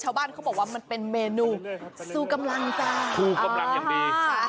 ชาวบ้านเขาบอกว่ามันเป็นเมนูสู้กำลังจ้าสู้กำลังอย่างดี